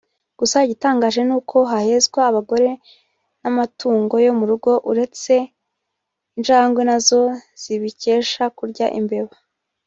Gusa igitangaje ni uko hahezwa abagore n’amatungo yo mu rugo uretse injangwe nazo zibikesha kurya imbeba